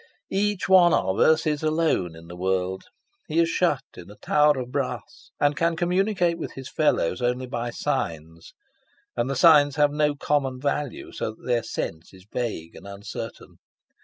Each one of us is alone in the world. He is shut in a tower of brass, and can communicate with his fellows only by signs, and the signs have no common value, so that their sense is vague and uncertain.